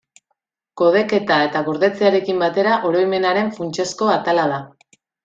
Kodeketa eta gordetzearekin batera, oroimenaren funtsezko atala da.